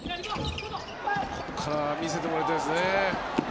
ここから見せてもらいたいですね。